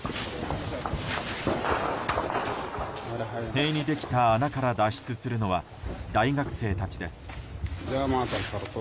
塀にできた穴から脱出するのは大学生たちです。